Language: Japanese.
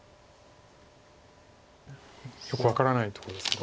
よく分からないとこですが。